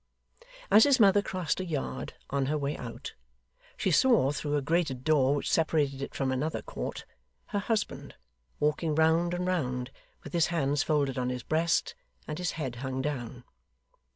As his mother crossed a yard on her way out, she saw, through a grated door which separated it from another court, her husband, walking round and round, with his hands folded on his breast, and his head hung down.